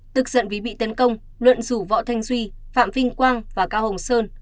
tức giận vì bị tấn công luận rủ võ thanh duy phạm vinh quang và cao hồng sơn